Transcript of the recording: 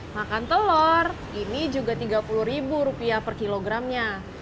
makan telur ini juga tiga puluh ribu rupiah per kilogramnya